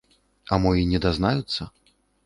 А мо й не дазнаюцца?